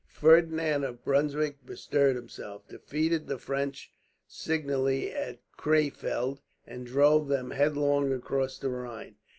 Ferdinand of Brunswick bestirred himself, defeated the French signally at Krefeld, and drove them headlong across the Rhine.